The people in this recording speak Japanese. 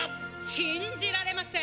「信じられません！